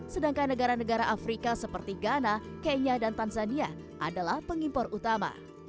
sedangkan negara negara afrika seperti ghana kenya dan tanzania adalah pengimpor utama